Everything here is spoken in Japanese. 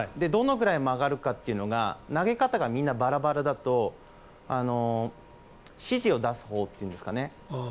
どのぐらい曲がるかというのが投げ方がみんなバラバラだと指示を出すほうというんですかね